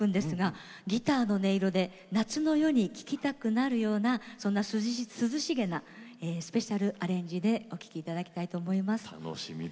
ギターの音色で夏の夜に聴きたくなるような涼しげなスペシャルアレンジでお聴きいただきたいと思います。